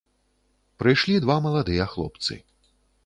Прыйшлі два маладыя хлопцы.